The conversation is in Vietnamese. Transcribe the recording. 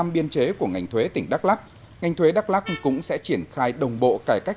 biên chế của ngành thuế tỉnh đắk lắc ngành thuế đắk lắc cũng sẽ triển khai đồng bộ cải cách